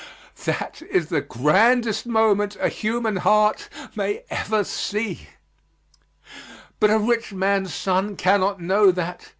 That is the grandest moment a human heart may ever see. But a rich man's son cannot know that.